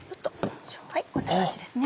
はいこんな感じですね。